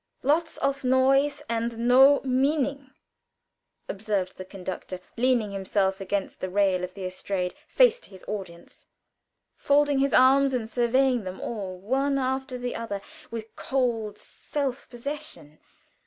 "Lots of noise, and no meaning," observed the conductor, leaning himself against the rail of the estrade, face to his audience, folding his arms and surveying them all one after the other with cold self possession.